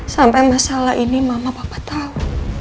sampai masalah ini mama papa tahu